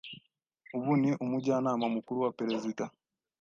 ubu ni Umujyanama Mukuru wa Perezida